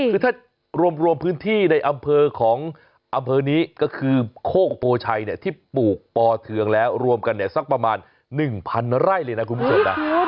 คือถ้ารวมพื้นที่ในอำเภอของอำเภอนี้ก็คือโคกโพชัยที่ปลูกปอเทืองแล้วรวมกันเนี่ยสักประมาณ๑๐๐ไร่เลยนะคุณผู้ชมนะ